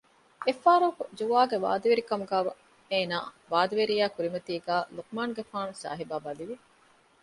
އެއްފަހަރަކު ޖުވާގެ ވާދަވެރިކަމުގައި އޭނާގެ ވާދަވެރިޔާގެ ކުރިމަތީގައި ލުޤުމާނުގެފާނުގެ ސާހިބާ ބަލިވި